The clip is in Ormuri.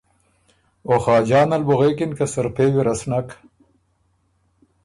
او خاجان ال بُو غوېکِن که سرپېوی وه سو نک۔